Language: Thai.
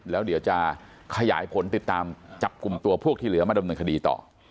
แล้วเดี๋ยวจะขยายผลติดตามจับกลุ่มตัวพวกที่เหลือมาดำเนินคดีต่อ